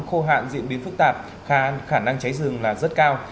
khô hạn diễn biến phức tạp khả năng cháy rừng là rất cao